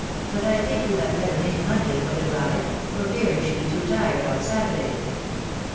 but I think you had better name Monday for the drive .*.. for fear you should be too tired on Saturday.